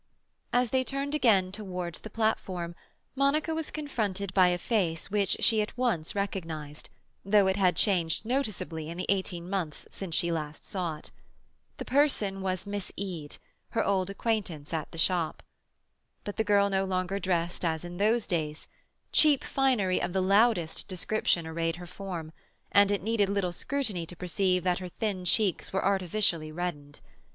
As they turned again towards the platform, Monica was confronted by a face which she at once recognized, though it had changed noticeably in the eighteen months since she last saw it. The person was Miss Eade, her old acquaintance at the shop. But the girl no longer dressed as in those days; cheap finery of the "loudest" description arrayed her form, and it needed little scrutiny to perceive that her thin cheeks were artificially reddened.